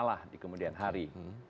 bermasalah di kemudian hari